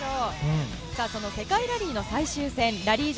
その世界ラリーの最終戦ラリー